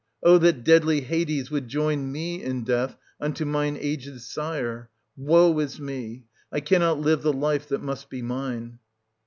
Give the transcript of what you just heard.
Oh that deadly Hades would 1690 join me in death unto mine aged sire! Woe is me! I cannot live the life that must be mine.